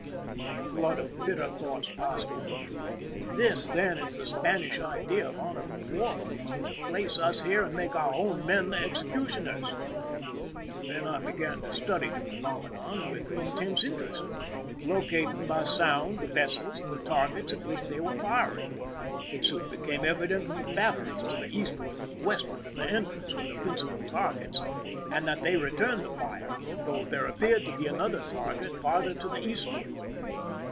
A flood of bitter thoughts passed over me: " This, then, is the Spanish idea of honorable war fare—to place us here, and make our own men the executioners !" Then I began to study the phe nomena with intense interest, locating by sound the vessels and the targets at which they were firing. It soon became evident that the batteries to the eastward and westward of the entrance were the principal targets, and that they returned the fire, though there appeared to be another target farther 194 IMPRISONMENT IN MORRO CASTLE to the eastward.